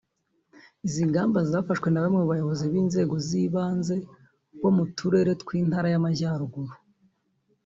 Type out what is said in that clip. Izi ngamba zafashwe na bamwe mu bayobozi b’inzego z’ibanze bo mu turere tw’intara y’amajyaruguru